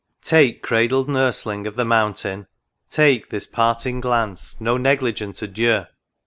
Take, cradled Nursling of the mountain, take This parting glance, no negligent adieu